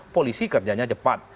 polisi kerjanya cepat